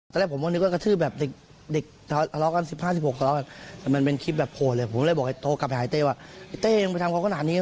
ผมถ้าทำอย่างนั้นเต้ท่าวันนี้ไม่ตายพูดบลกเป็นบ่นมาเต้เมาเลย